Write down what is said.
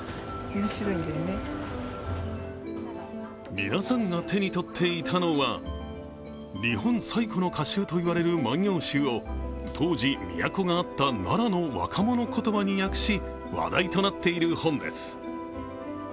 皆さんが手に取っていたのは日本最古の歌集といわれる「万葉集」を当時、都があった奈良の若者言葉に訳し話題となっている本です。